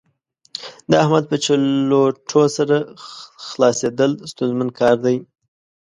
د احمد په چلوټو سر خلاصېدل ستونزمن کار دی.